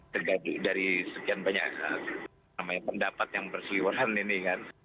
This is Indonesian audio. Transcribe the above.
tergaduh dari sekian banyak pendapat yang bersiliwuran ini kan